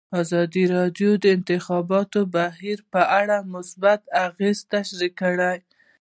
ازادي راډیو د د انتخاباتو بهیر په اړه مثبت اغېزې تشریح کړي.